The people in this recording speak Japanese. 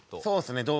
そうですね。